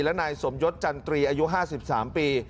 และนายสมยศจันตรีอายุ๕๓ปี